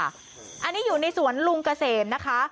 อันนี้อยู่ในสวนลุงเกษมนะคะ